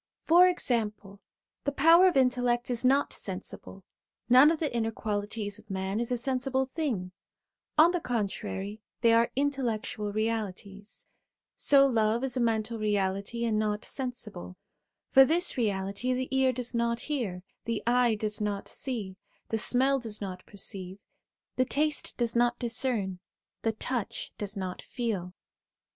For example, the power of intellect is not sensible; none of the inner qualities of man is a sensible thing ; on the contrary, they are intellectual realities ; so love is a mental reality and not sensible ; for this reality the ear does not hear, the eye does not see, the smell does not perceive, the taste does not discern, the touch does not feel.